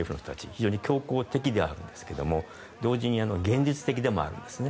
非常に強硬的ではあるんですが同時に現実的でもあるんですね。